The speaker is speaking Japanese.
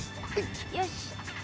よし。